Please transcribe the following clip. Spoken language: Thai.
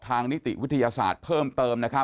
นิติวิทยาศาสตร์เพิ่มเติม